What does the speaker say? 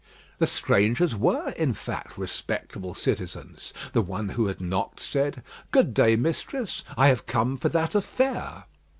The strangers were, in fact, respectable citizens. The one who had knocked said, "Good day, mistress. I have come for that affair."